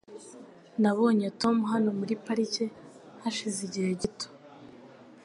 Nabonye Tom hano muri parike hashize igihe gito.